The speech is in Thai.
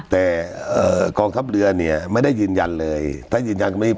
แต่เอ่อกองทัพเรือเนี่ยไม่ได้ยืนยันเลยท่านยืนยันไม่ได้